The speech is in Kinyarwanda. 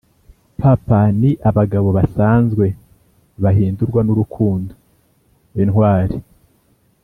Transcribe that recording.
papa ni abagabo basanzwe bahindurwa n'urukundo intwari,